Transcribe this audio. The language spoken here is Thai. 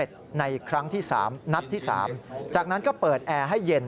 จากนั้นก็เปิดแอร์ให้เย็น